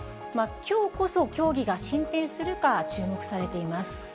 きょうこそ協議が進展するか注目されています。